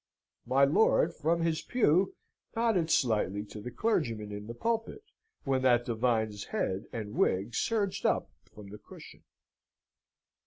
My lord, from his pew, nodded slightly to the clergyman in the pulpit, when that divine's head and wig surged up from the cushion.